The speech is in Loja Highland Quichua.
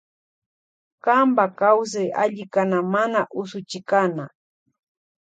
Kanpa kawsay alli kana mana usuchikana.